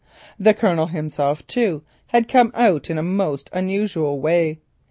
The Colonel himself had also come out in a most unusual way.